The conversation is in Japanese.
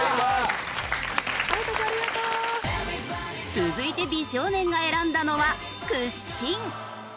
続いて美少年が選んだのは屈伸。